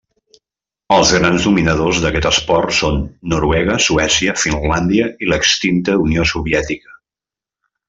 Els grans dominadors d'aquest esport són Noruega, Suècia, Finlàndia i l'extinta Unió Soviètica.